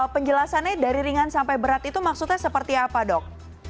penjelasannya dari ringan sampai berat itu maksudnya seperti apa dok